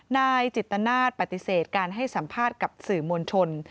นายจิตนาศปฏิเสธการให้สัมภาษณ์กับสื่อมวลชน